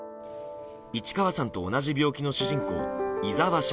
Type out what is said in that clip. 市川さんと同じ病気の主人公井沢釈